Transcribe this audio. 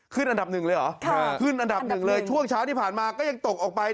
อันดับหนึ่งเลยเหรอขึ้นอันดับหนึ่งเลยช่วงเช้าที่ผ่านมาก็ยังตกออกไป